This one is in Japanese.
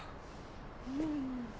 うん。